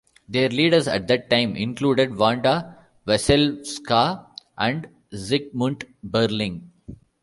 Their leaders at that time included Wanda Wasilewska and Zygmunt Berling.